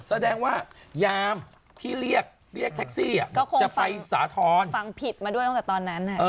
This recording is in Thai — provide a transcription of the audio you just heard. แสดงว่ายามที่เรียกทักซี่จะไปสาทอน